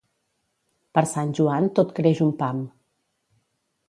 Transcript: Per Sant Joan tot creix un pam.